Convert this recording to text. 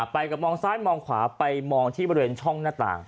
ไปกับมองซ้ายมองขวาไปมองที่บริเวณช่องหน้าต่าง